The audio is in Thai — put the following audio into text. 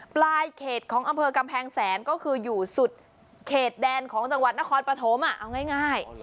ปลายเขตของอำเภอกำแพงแสนก็คืออยู่สุดเขตแดนของจังหวัดนครปฐมเอาง่าย